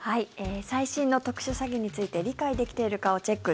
最新の特殊詐欺について理解できているかをチェック